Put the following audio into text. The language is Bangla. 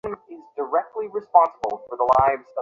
মিস্টার সাহায়, কেমন আছেন?